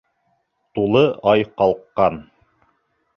Тулы ай ҡалҡҡан.